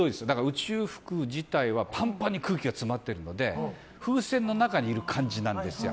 宇宙服自体はパンパンに空気が詰まってるので風船の中にいる感じなんですよ。